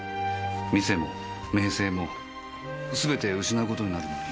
店も名声もすべて失う事になるのに。